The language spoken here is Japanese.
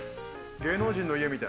芸能人の家みたい。